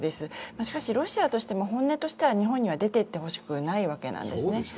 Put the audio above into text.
しかし、ロシアとしても本音としては日本には出ていってほしくないわけですね。